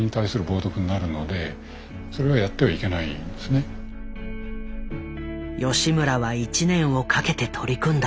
もしそれより吉村は１年をかけて取り組んだ。